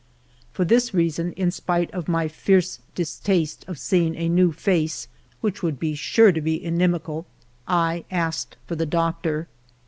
For this reason, in spite of my fierce distaste of seeing a new face, which would be sure to be inimical, I asked for the doctor.